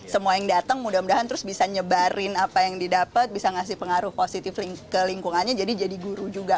semua yang datang mudah mudahan terus bisa nyebarin apa yang didapat bisa ngasih pengaruh positif ke lingkungannya jadi jadi guru juga